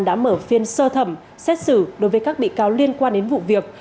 đã mở phiên sơ thẩm xét xử đối với các bị cáo liên quan đến vụ việc